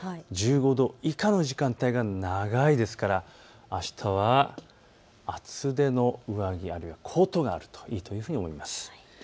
１５度以下の時間帯が長いですからあしたは厚手の上着あるいはコートがあるといいというふうに思います。